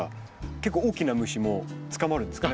結構大きな虫も捕まるんですかね？